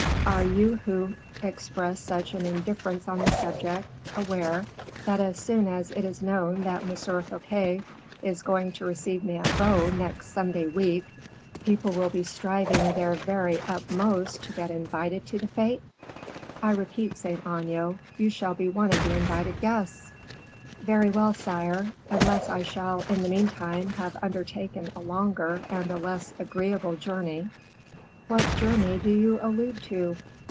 Are you who express such an indifference on the subject, aware, that as soon as it is known that M. Fouquet is going to receive me at Vaux next Sunday week, people will be striving their very utmost to get invited to the fete? I repeat, Saint Aignan, you shall be one of the invited guests." "Very well, sire; unless I shall, in the meantime, have undertaken a longer and a less agreeable journey." "What journey do you allude to?"